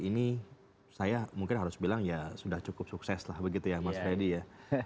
ini saya mungkin harus bilang ya sudah cukup sukses lah begitu ya mas freddy ya